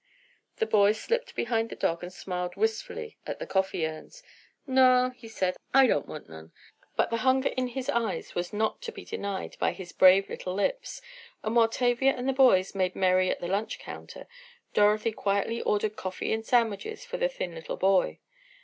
The boy slipped behind the dog and smiled wistfully at the coffee urns. "Naw," he said, "I don't want none." But the hunger in his eyes was not to be denied by his brave little lips, and while Tavia and the boys made merry at the lunch counter, Dorothy quietly ordered coffee and sandwiches for the thin little boy.